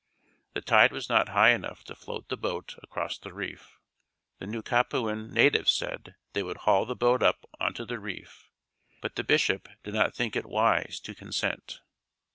The tide was not high enough to float the boat across the reef. The Nukapuan natives said they would haul the boat up on to the reef, but the Bishop did not think it wise to consent.